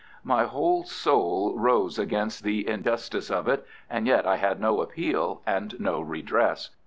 My whole soul rose against the injustice of it, and yet I had no appeal and no redress.